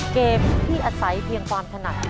เกมที่อาศัยเพียงความถนัด